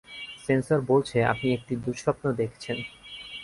Sensor বলছে, আপনি একটি দুঃস্বপ্ন দেখেছেন।